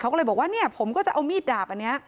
เขาก็เลยบอกว่าเนี่ยผมก็จะเอามีดดาบอันนี้